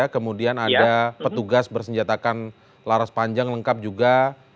kemudian ada petugas bersenjatakan laras panjang lengkap juga